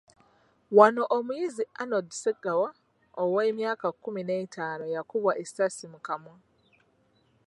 Wano omuyizi Arnold Ssegawa, ow’emyaka kkumi n'ettaano yakubwa essasi mu kamwa.